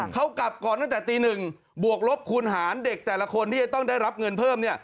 เขากลับก่อนตั้งแต่ตีหนึ่งบวกลบคูณหารเด็กแต่ละคนที่จะต้องได้รับเงินเพิ่มเนี่ย